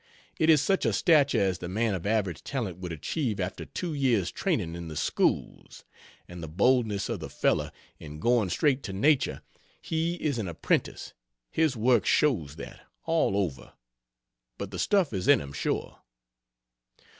It is such a statue as the man of average talent would achieve after two years training in the schools. And the boldness of the fellow, in going straight to nature! He is an apprentice his work shows that, all over; but the stuff is in him, sure.